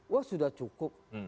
wah sudah cukup